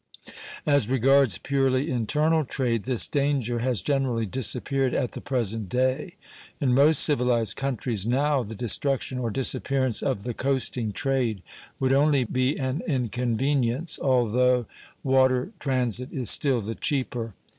As regards purely internal trade, this danger has generally disappeared at the present day. In most civilized countries, now, the destruction or disappearance of the coasting trade would only be an inconvenience, although water transit is still the cheaper.